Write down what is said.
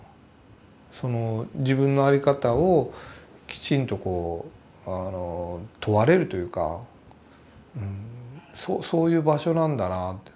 その自分の在り方をきちんとこう問われるというかそういう場所なんだなぁと。